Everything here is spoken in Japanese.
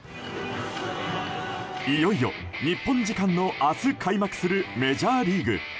いよいよ日本時間の明日開幕するメジャーリーグ。